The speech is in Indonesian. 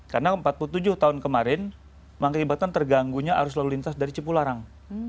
karena empat puluh tujuh tahun kemarin mengakibatkan terganggu arus lalu lintas dari cipularang